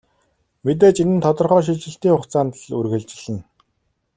Мэдээж энэ нь тодорхой шилжилтийн хугацаанд л үргэлжилнэ.